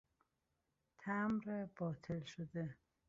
تمبر باطل شده